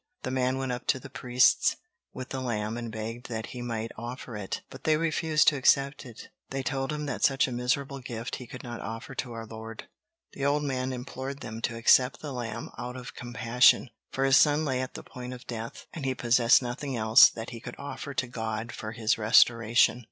The man went up to the priests with the lamb and begged that he might offer it, but they refused to accept it. They told him that such a miserable gift he could not offer to our Lord. The old man implored them to accept the lamb out of compassion, for his son lay at the point of death, and he possessed nothing else that he could offer to God for his restoration.